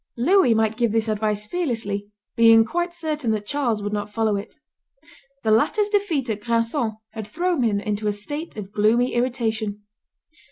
Louis might give this advice fearlessly, being quite certain that Charles would not follow it. The latter's defeat at Granson had thrown him into a state of gloomy irritation.